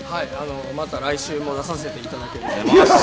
また来週も出させていただけるとか。